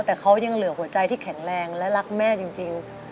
แต่เขายังเหลือหัวใจที่แข็งแรงและรักแม่จริง